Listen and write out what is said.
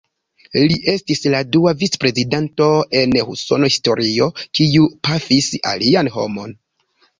Li estis la dua vicprezidanto en Usona historio kiu pafis alian homon.